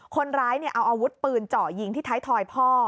คนร้ายเอาอาวุธปืนเจาะยิงที่ท้ายทอยพ่อ